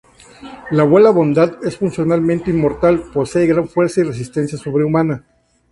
La Abuela Bondad es funcionalmente inmortal, posee gran fuerza y resistencia sobrehumana.